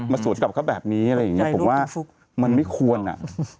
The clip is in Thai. สูดกลับเขาแบบนี้อะไรอย่างเงี้ผมว่ามันไม่ควรอ่ะ